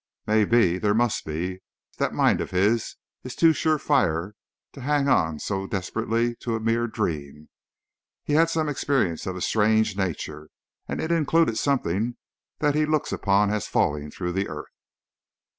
"Maybe! There must be! That mind of his is too sure fire to hang on so desperately to a mere dream. He had some experience of a strange nature, and it included something that he looks upon as falling through the earth."